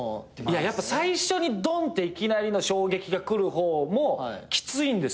やっぱ最初にドンっていきなりの衝撃がくる方もきついんですよ。